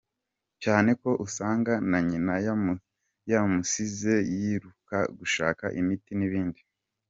Cyane ko usanga Na nyina yamusize yiruka gushaka imiti n’ ibindi!.